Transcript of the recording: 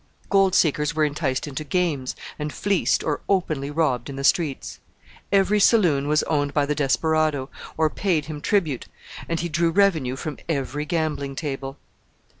Gold seekers were enticed into games, and fleeced or openly robbed in the streets. Every saloon was owned by the desperado, or paid him tribute, and he drew revenue from every gambling table.